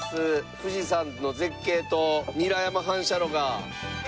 富士山の絶景と韮山反射炉が。